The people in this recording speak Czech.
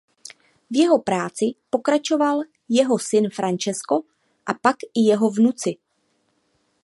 V jeho práci pokračoval jeho syn Francesco a pak i jeho vnuci.